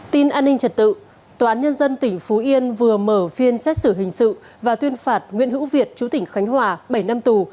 tin an ninh trật tự tòa án nhân dân tỉnh phú yên vừa mở phiên xét xử hình sự và tuyên phạt nguyễn hữu việt chú tỉnh khánh hòa bảy năm tù